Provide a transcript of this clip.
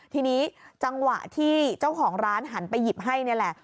ทีนี้จังหวะที่เจ้าของร้านหันไปหยิบให้นี่แหละ